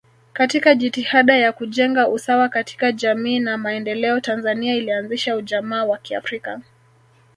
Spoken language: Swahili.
Katika jitihada ya kujenga usawa katika jamii na maendeleo Tanzania ilianzisha ujamaa wa kiafrika